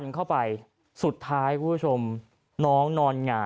จนกระทั่งบ่าย๓โมงก็ไม่เห็นออกมา